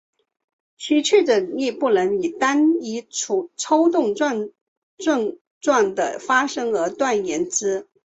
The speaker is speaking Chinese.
其确诊亦不能以单一抽动症状的发生而断言之。